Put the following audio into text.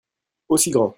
Aussi grand.